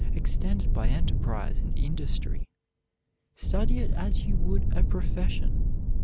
Extend it by enterprise and industry. Study it as you would a profession.